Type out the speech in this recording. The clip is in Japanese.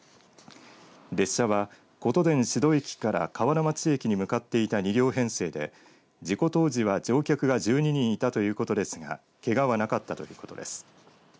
列車は琴電志度駅から瓦町駅に向かっていた２両編成で事故当時は乗客が１２人にいたということですがけがはなかったということです。